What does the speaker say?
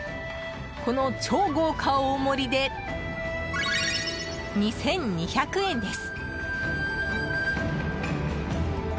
この超豪華大盛りで２２００円です。